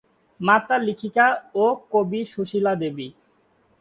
মাতা লেখিকা ও কবি সুশীলা দেবী।